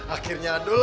akhirnya ada lagi anaknya